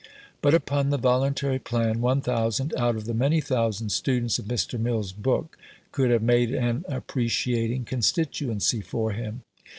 But upon the voluntary plan, one thousand out of the many thousand students of Mr. Mill's book could have made an appreciating constituency for him.